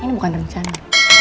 ini bukan rencana